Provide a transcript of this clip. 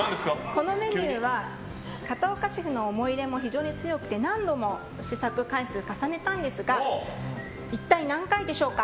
このメニューは片岡シェフの思い入れも強くて何度も試作回数重ねたんですが一体何回でしょうか。